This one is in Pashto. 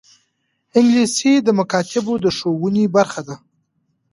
انګلیسي د مکاتبو د ښوونې برخه ده